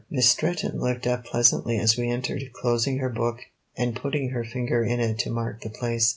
Miss Stretton looked up pleasantly as we entered, closing her book, and putting her finger in it to mark the place.